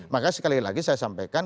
maka sekali lagi saya sampaikan